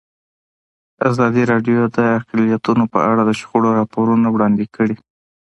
ازادي راډیو د اقلیتونه په اړه د شخړو راپورونه وړاندې کړي.